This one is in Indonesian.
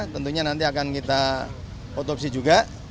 tentunya nanti akan kita otopsi juga